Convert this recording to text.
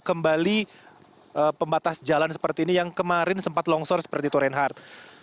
kembali pembatas jalan seperti ini yang kemarin sempat longsor seperti itu reinhardt